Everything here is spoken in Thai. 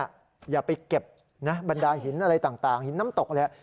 อย่าไปเก็บนะบรรดาหินอะไรต่างหินน้ำตกเลย